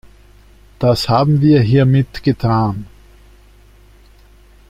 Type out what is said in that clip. Das haben wir hiermit getan.